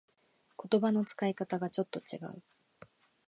言葉の使い方がちょっと違う